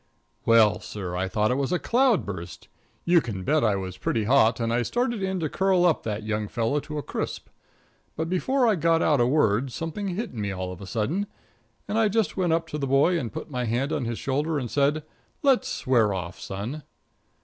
Well, sir, I thought it was a cloudburst. You can bet I was pretty hot, and I started in to curl up that young fellow to a crisp. But before I got out a word, something hit me all of a sudden, and I just went up to the boy and put my hand on his shoulder and said, "Let's swear off, son."